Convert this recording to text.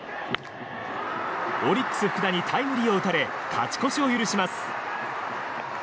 オリックス福田にタイムリーを打たれ勝ち越しを許します。